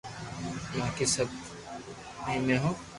ماقي سب ايمي ھي